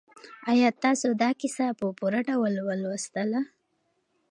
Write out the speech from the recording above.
آیا تاسو دا کیسه په پوره ډول ولوستله؟